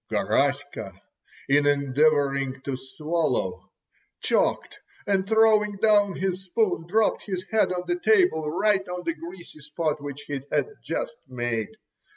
Garaska, in endeavouring to swallow, choked, and throwing down his spoon, dropped his head on the table, right on the greasy spot which he had just made.